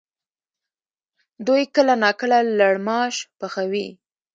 دوی کله ناکله لړماش پخوي؟